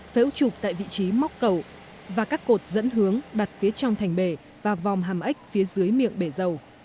phễu trụp tại vị trí móc cầu và các cột dẫn hướng đặt phía trong thành bể và vòm hàm ếch phía dưới miệng bể dầu